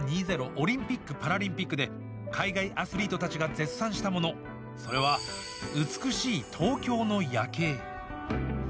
オリンピック・パラリンピックで海外アスリートたちが絶賛したものそれは、美しい東京の夜景。